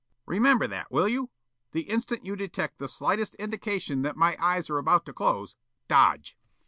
Remember that, will you? The instant you detect the slightest indication that my eyes are about to close, dodge!"